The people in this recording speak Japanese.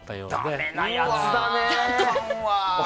ダメなやつだね。